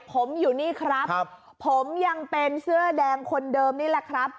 ผมอยู่นี่ครับผมยังเป็นเสื้อแดงคนเดิมนี่แหละครับ